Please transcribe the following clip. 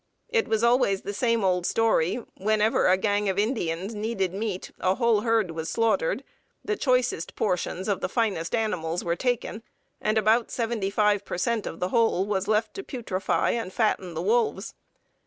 It was always the same old story, whenever a gang of Indians needed meat a whole herd was slaughtered, the choicest portions of the finest animals were taken, and about 75 per cent of the whole left to putrefy and fatten the wolves.